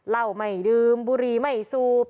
เหล้าไม่ดื่มบุหรี่ไม่สูบ